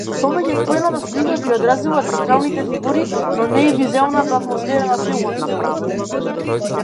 Повеќеслојната слика ги одразува централните фигури, но и вузелната атмосфера на филмот, велат тие.